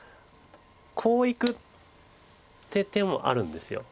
こういくって手もあるんです。